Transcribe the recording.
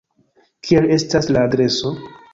Kiel estas la adreso?